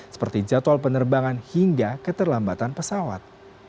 seperti jadwal penerbangan hingga keterlambatan pesawat